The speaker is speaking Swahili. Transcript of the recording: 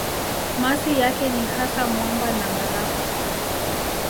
Masi yake ni hasa mwamba na barafu.